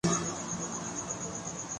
لوگوں کے بیان پر بھروسہ کرتا ہوں